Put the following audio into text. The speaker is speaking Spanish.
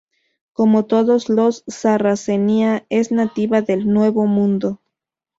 Como todos los Sarracenia, es nativa del nuevo mundo.